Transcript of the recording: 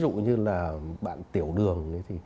ví dụ như là bạn tiểu đường